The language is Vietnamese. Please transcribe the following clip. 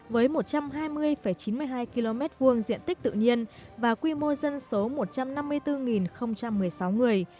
với một trăm hai mươi chín mươi hai km hai diện tích tự nhiên và quy mô dân số một trăm năm mươi bốn một mươi sáu người